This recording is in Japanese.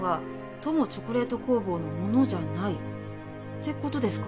ＴＯＭＯチョコレート工房のものじゃないって事ですか？